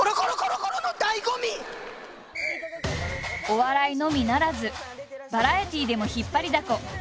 お笑いのみならずバラエティーでも引っ張りだこ。